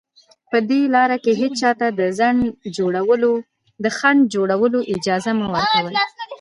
په دې لاره کې هېچا ته د خنډ جوړولو اجازه مه ورکوئ